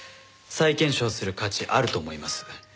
再検証する価値あると思います。